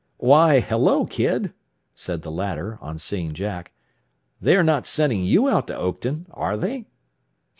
"Why, hello, kid!" said the latter on seeing Jack. "They are not sending you out to Oakton, are they?"